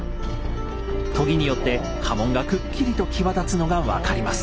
研ぎによって刃文がくっきりと際立つのが分かります。